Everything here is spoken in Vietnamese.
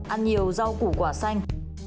ăn nhiều rau củ quả xanh